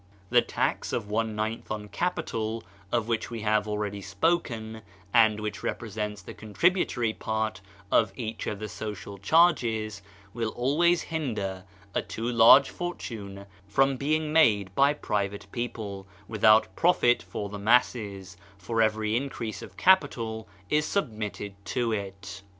The tax of one ninth on capital, of which we have already spoken, and which represents the contributory part of each in the social charges, will always hinder a too large fortune from being made by private people, without profit for the masses, for every increase of capital is submitted to it.